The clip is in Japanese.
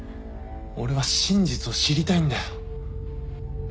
俺は真実を知りたいんだよ。